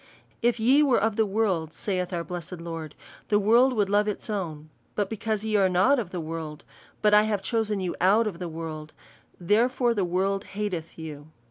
" If ye were of the world/' saith our blessed Lord, '' the world would love its own ; but because ye are not of the world, but I have chosen you out of the world, therefore the world hateth you."